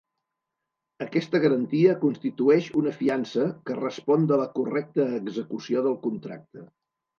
Aquesta garantia constitueix una fiança que respon de la correcta execució del contracte.